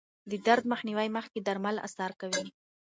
د درد مخنیوي مخکې درمل اثر کوي.